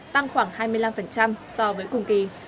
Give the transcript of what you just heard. tăng khoảng hai mươi năm so với cùng kỳ